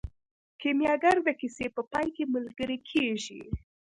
کیمیاګر د کیسې په پای کې ملګری کیږي.